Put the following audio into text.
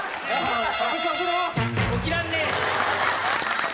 起きらんねえ。